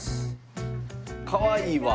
かわいいわ。